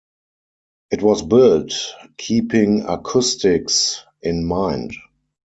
It was built keeping acoustics in mind.